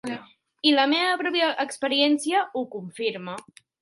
I la meva pròpia experiència ho confirma.